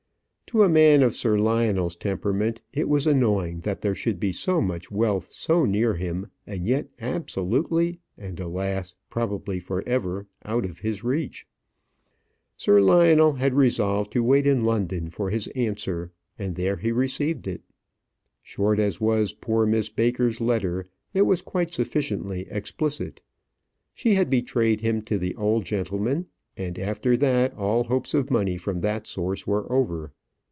To a man of Sir Lionel's temperament, it was annoying that there should be so much wealth so near him, and yet absolutely, and, alas! probably for ever out of his reach. Sir Lionel had resolved to wait in London for his answer, and there he received it. Short as was poor Miss Baker's letter, it was quite sufficiently explicit. She had betrayed him to the old gentleman, and after that all hopes of money from that source were over.